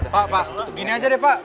pak gini aja deh pak